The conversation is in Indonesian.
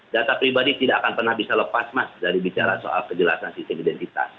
data pribadi tidak akan pernah bisa lepas mas dari bicara soal kejelasan sistem identitas